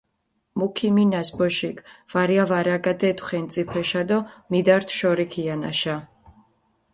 მუ ქიმინას ბოშიქ, ვარია ვარაგადედუ ხენწიფეშა დო მიდართუ შორი ქიანაშა.